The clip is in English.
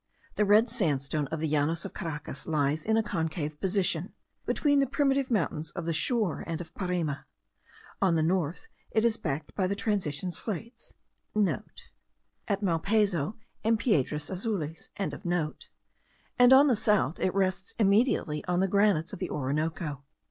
The red sandstone of the Llanos of Caracas lies in a concave position, between the primitive mountains of the shore and of Parime. On the north it is backed by the transition slates,* (* At Malpaso and Piedras Azules.) and on the south it rests immediately on the granites of the Orinoco.